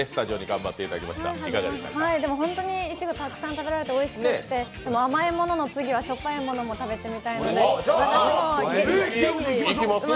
本当にいちごたくさん食べられておいしくてでも、甘いものの次はしょっぱいものも食べたいなって。